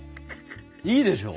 いいでしょ？